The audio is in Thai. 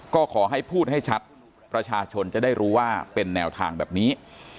ก็ขอให้พูดให้ชัดประชาชนจะได้รู้ว่าเป็นแนวทางแบบนี้